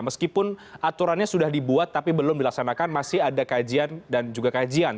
meskipun aturannya sudah dibuat tapi belum dilaksanakan masih ada kajian dan juga kajian